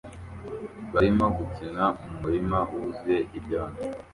barimo gukina mu murima wuzuye ibyondo